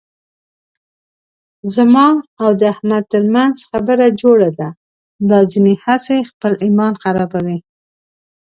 زما او د احمد ترمنځ خبره جوړه ده، دا ځنې هسې خپل ایمان خرابوي.